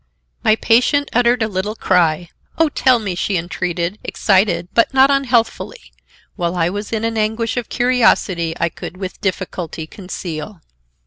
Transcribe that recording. My patient uttered a little cry. "Oh, tell me," she entreated, excited, but not unhealthfully; while I was in an anguish of curiosity I could with difficulty conceal.